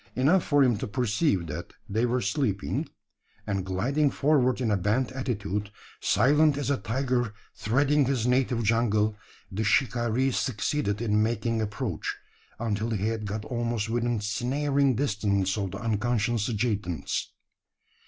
Enough for him to perceive that they were sleeping; and, gliding forward in a bent attitude, silent as a tiger threading his native jungle, the shikaree succeeded in making approach until he had got almost within snaring distance of the unconscious adjutants.